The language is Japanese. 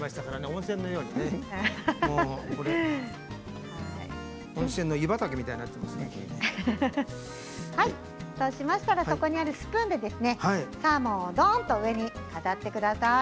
温泉の湯畑みたいにそうしましたらそこにあるスプーンでサーモンをドンと上に飾ってください。